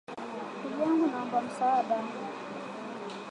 Ndugu yangu, naomba msaada.